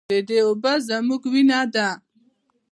د دې اوبه زموږ وینه ده؟